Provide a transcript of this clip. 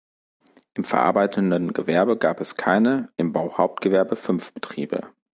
Im verarbeitenden Gewerbe gab es keine, im Bauhauptgewerbe fünf Betriebe.